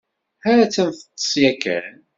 Ha-tt-an teṭṭes ya kan.